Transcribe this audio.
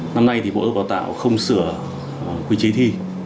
năm nay thì bộ giáo dục và đào tạo không sửa quy chế thi